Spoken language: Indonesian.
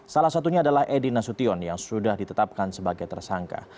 salah satunya adalah edi nasution yang sudah ditetapkan sebagai tersangka